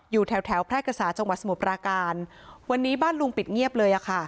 อยู่แถวแถวแพร่กษาจังหวัดสมุทรปราการวันนี้บ้านลุงปิดเงียบเลยอ่ะค่ะ